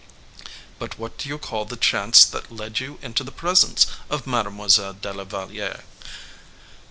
"But what do you call the chance that led you into the presence of Mademoiselle de la Valliere?"